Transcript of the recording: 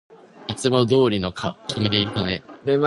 いつもどうりの君でいてね